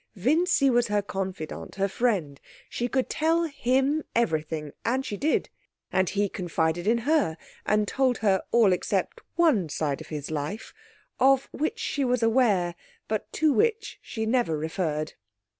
Vincy was her confidant, her friend. She could tell him everything, and she did, and he confided in her and told her all except one side of his life, of which she was aware, but to which she never referred.